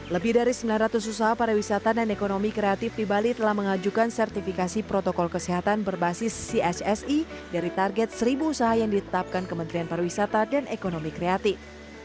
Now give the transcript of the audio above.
lebih dari sembilan ratus usaha pariwisata dan ekonomi kreatif di bali telah mengajukan sertifikasi protokol kesehatan berbasis cssi dari target seribu usaha yang ditetapkan kementerian pariwisata dan ekonomi kreatif